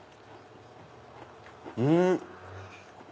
うん！